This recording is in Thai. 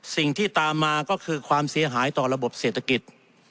สิ่งที่ตามมาก็คือความเสียหายต่อระบบเศรษฐกิจ